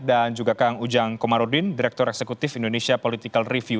juga kang ujang komarudin direktur eksekutif indonesia political review